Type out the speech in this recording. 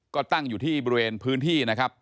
ก็ตั้งอยู่ที่บริเวณพื้นที่นะครับ